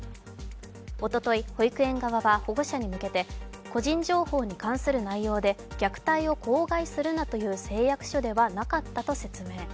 おととい保育園側は保護者に向けて個人情報に関する内容で、虐待を口外するなという誓約書ではなかったと説明。